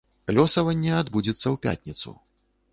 Лёсаванне адбудзецца ў пятніцу.